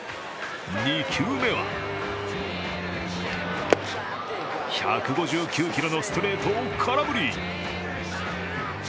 ２球目は１５９キロのストレートを空振り。